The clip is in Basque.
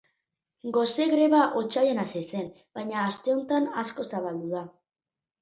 Gose greba otsailean hasi zen, baina asteotan asko zabaldu da.